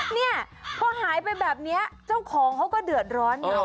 เนี่ยพอหายไปแบบนี้เจ้าของเขาก็เดือดร้อนไง